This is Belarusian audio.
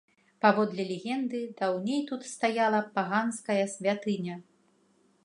Паводле легенды, даўней тут стаяла паганская святыня.